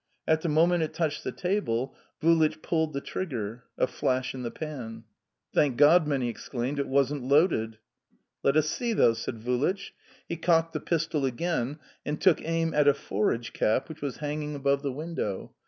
At the moment it touched the table Vulich pulled the trigger... a flash in the pan! "Thank God!" many exclaimed. "It wasn't loaded!" "Let us see, though," said Vulich. He cocked the pistol again, and took aim at a forage cap which was hanging above the window.